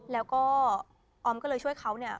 แล้วก็ออมก็เลยช่วยเขาเนี่ย